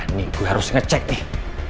ini gue harus ngecek nih